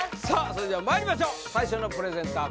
それではまいりましょう最初のプレゼンター